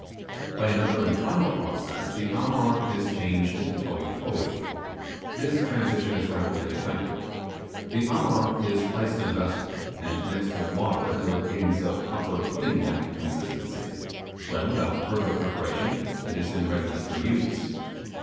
By another and final process the 'Amar' is changed into 'Poee Poee'. This transition is rapidly effected. The Amar is placed in a vessel, and mixed with water until it gains a proper pudding like consistency, when, without further preparation, it is in readiness for use.